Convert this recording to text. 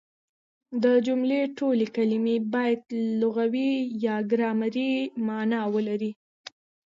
د جملې ټولي کلیمې باید لغوي يا ګرامري مانا ولري.